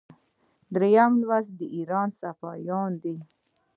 دریم لوست د ایران صفویان دي.